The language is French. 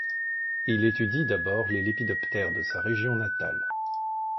Il étudie d'abord les lépidoptères de sa région natale.